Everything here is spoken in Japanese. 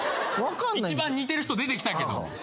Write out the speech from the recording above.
一番似てる人出てきたけど。